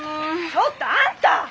ちょっとあんた！